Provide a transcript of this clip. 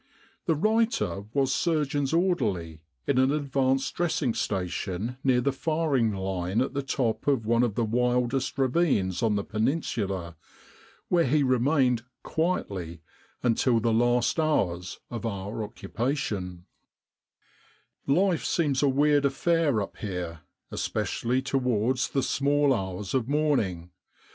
The writer was surgeons' orderly in an Advanced Dressing Station near the firing line at the top of one of the wildest ravines on the Peninsula, where he remained ''quietly" until the last hours of our occupation : "Life seems a weird affair up here, especially towards the small hours of morning.